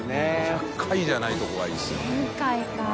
小峠）１００回じゃないとこがいいですよね。